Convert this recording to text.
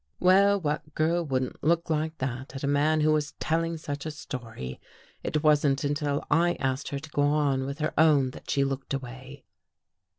Well, what girl wouldn't look like that at a man who was telling such a story. It wasn't until I asked her to go on with her own that she looked away.